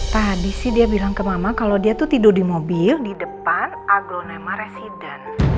tadi sih dia bilang ke mama kalo dia tuh tidur di mobil di depan aglo nema residence